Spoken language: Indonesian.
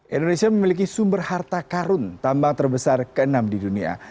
indonesia memiliki sumber harta karun tambang terbesar ke enam di dunia